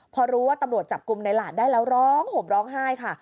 พอรู้ว่าตำรวจจับกลุ่มในหลาดได้แล้วร้องห่มร้องไห้ค่ะ